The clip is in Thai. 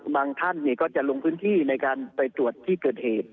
ท่านก็จะลงพื้นที่ในการไปตรวจที่เกิดเหตุ